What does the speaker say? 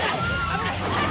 危ない！